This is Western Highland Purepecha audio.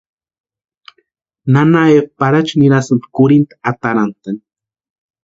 Nana Eva Parachu nirasïnti kurhinta atarantani.